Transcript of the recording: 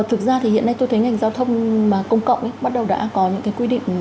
thực ra thì hiện nay tôi thấy ngành giao thông công cộng bắt đầu đã có những cái quy định